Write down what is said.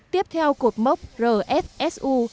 tiếp theo cột mốc rfsu